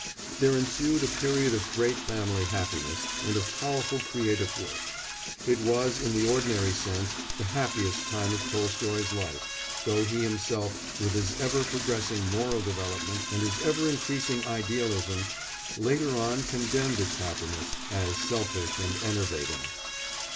There ensued a period of great family happiness and of powerful creative work. It was, in the ordinary sense, the happiest time of Tolstoy's life, though he himself, with his ever progressing moral development and his ever increasing idealism, later on condemned its happiness as selfish and enervating.